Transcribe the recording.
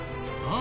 あ？